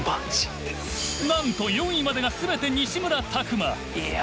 なんと４位までが全て西村拓真。